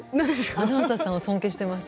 アナウンサーさんを尊敬しています。